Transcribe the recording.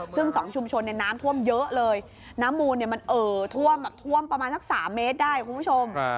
ซึ่ง๒ชุมชนน้ำท่วมเยอะเลยน้ำมูลมันท่วมประมาณสัก๓เมตรได้คุณผู้ชม